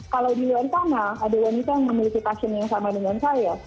kalau di luar sana ada wanita yang memiliki passion yang sama dengan saya